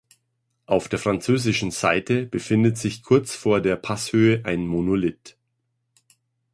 Auf der französischen Seite befindet sich kurz vor der Passhöhe ein Monolith.